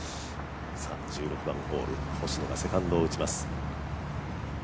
１６番ホール、星野がセカンドを打ちます。